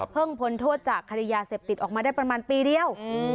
พ้นโทษจากคดียาเสพติดออกมาได้ประมาณปีเดียว